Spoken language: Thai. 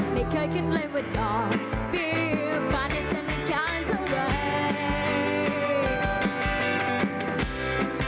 ไม่เคยคิดเลยว่าดอกเบียบาทให้เธอมาการเท่าไหร่